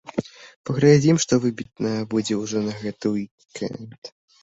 Паглядзім, што выбітнага будзе ўжо на гэты ўік-энд.